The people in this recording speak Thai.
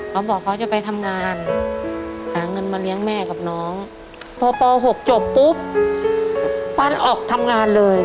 เขาบอกเขาจะไปทำงานหาเงินมาเลี้ยงแม่กับน้องพอป๖จบปุ๊บปั้นออกทำงานเลย